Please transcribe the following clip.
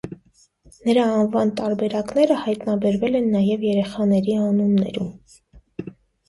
Նրա անվան տարբերակները հայտնաբերվել են նաև երեխաների անուններում։